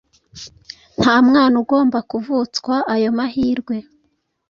Nta mwana ugomba kuvutswa ayo mahirwe,